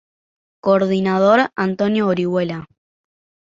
Coordinador: Antonio Orihuela.